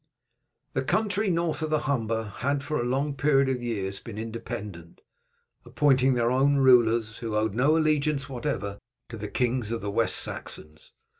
The country north of the Humber had for a long period of years been independent, appointing their own rulers, who owed no allegiance whatever to the kings of the West Saxons.